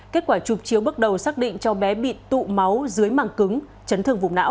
kết quả chụp chiếu bước đầu xác định cho bé bị tụ máu dưới màng cứng chấn thương vùng não